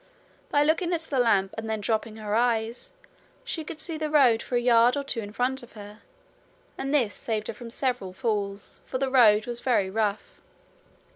By looking at the lamp and then dropping her eyes, she could see the road for a yard or two in front of her, and this saved her from several falls, for the road was very rough.